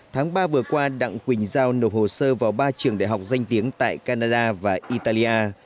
tháng ba vừa qua đặng quỳnh giao nộp hồ sơ vào ba trường đại học danh tiếng tại canada và italia